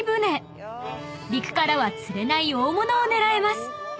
［陸からは釣れない大物を狙えます］